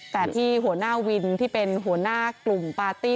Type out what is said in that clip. แต่ที่หัวหน้าวินที่เป็นหัวหน้ากลุ่มปาร์ตี้